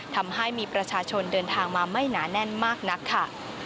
ทำให้มีประชาชนเดินทางมาไม่หนาแน่นมากนักค่ะ